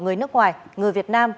người nước ngoài người việt nam